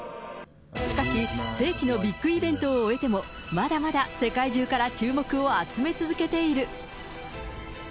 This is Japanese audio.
しかし、世紀のビッグイベントを終えても、まだまだ世界中から注目を集め続けている。